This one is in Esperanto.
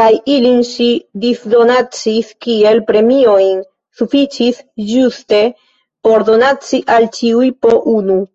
Kaj ilin ŝi disdonacis kiel premiojn. Sufiĉis ĝuste por donaci al ĉiuj po unu.